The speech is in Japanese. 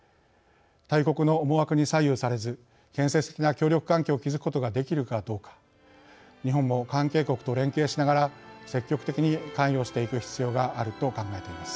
大国の思惑に左右されず建設的な協力関係を築くことができるかどうか日本も関係国と連携しながら積極的に関与していく必要があると考えています。